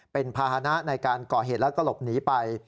เป็นภาษณะในการก่อเหตุแล้วก็หลบหนีไป